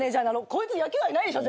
こいつ野球愛ないでしょ